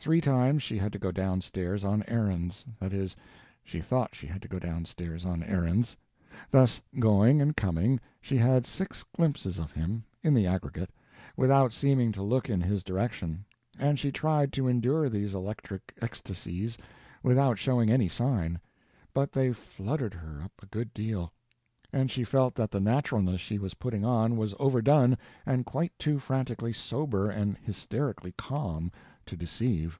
Three times she had to go down stairs on errands—that is, she thought she had to go down stairs on errands. Thus, going and coming, she had six glimpses of him, in the aggregate, without seeming to look in his direction; and she tried to endure these electric ecstasies without showing any sign, but they fluttered her up a good deal, and she felt that the naturalness she was putting on was overdone and quite too frantically sober and hysterically calm to deceive.